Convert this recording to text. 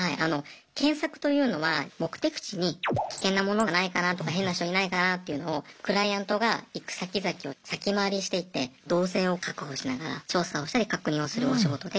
検索というのは目的地に危険な物がないかなとか変な人いないかなっていうのをクライアントが行く先々を先回りしていって動線を確保しながら調査をしたり確認をするお仕事で。